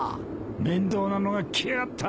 面倒なのが来やがった。